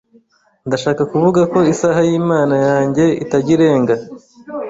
Ndashaka kuvuga ko isaha y’Imana yanjye itajya irenga.